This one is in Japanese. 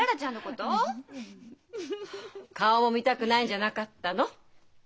顔も見たくないんじゃなかったの？